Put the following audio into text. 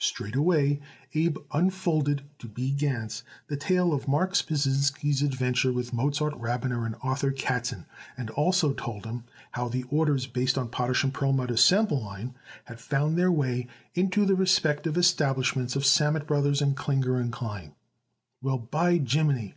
Straightway Abe unfolded to B. Gans the tale of Marks Pasinsky's adventure with Mozart Rabiner and Arthur Katzen, and also told him how the orders based on Potash & Perlmutter's sample line had found their way into the respective establishments of Sammet Brothers and Klinger & Klein. "Well, by jimminy!"